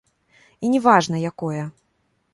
І не важна, якое.